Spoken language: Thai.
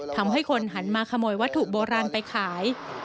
ทำให้คนหันมาขโมยวัตถุโบราณไปขาย